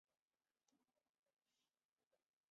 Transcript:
他加入来自威尔士的自由党人的团体。